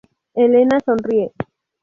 Elena sonríe.